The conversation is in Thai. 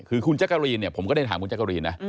คือคุณจักรีนเนี่ยผมก็ได้ถามคุณจักรีนนะ